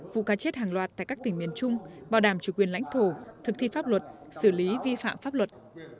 vụ cá chết hàng loạt tại các tỉnh miền trung bảo đảm chủ quyền lãnh thổ thực thi pháp luật xử lý vi phạm pháp luật